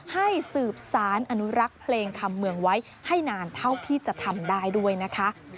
ให้สืบสารอนุรักษ์เพลงคำเมืองไว้ให้นานเท่าที่จะทำได้ด้วยนะคะ